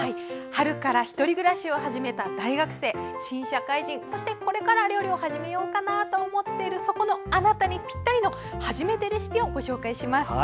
春から１人暮らしを始めた大学生、新社会人そして、これから料理を始めてみようかなと思っているそこのあなたにピッタリのはじめてレシピをご紹介します。